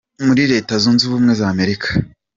muri Leta Zunze Ubumwe za Amerika.